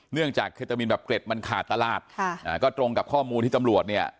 เนื่องจากเคตามีนแบบเกล็ดมันขาดตลาดก็ตรงกับข้อมูลที่ตำรวจเนี่ย